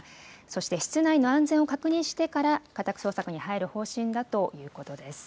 そして室内の安全を確認してから、家宅捜索に入る方針だということです。